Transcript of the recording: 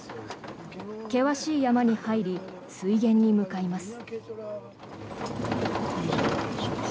険しい山に入り水源に向かいます。